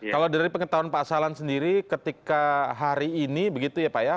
kalau dari pengetahuan pak salan sendiri ketika hari ini begitu ya pak ya